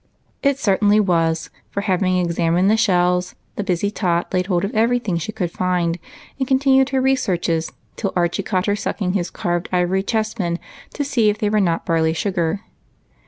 It certainly was, for, having examined the shells, the busy tot laid hold of every thing she could find, and continued her researches till Archie caught her suck ing his carved ivory chessmen to see if they were not barley sugar.